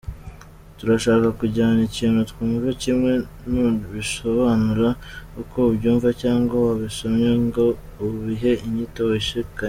Turashaka kujyana ikintu twumva kimwe, ntubisobanure uko ubyumva cyangwa wabisomye ngo ubihe inyito wishakiye.